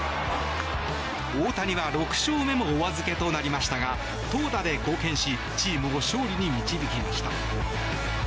大谷は６勝目もお預けとなりましたが投打で貢献しチームを勝利に導きました。